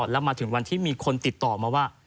แล้วมาถึงวันที่มีคนติดต่อมาว่า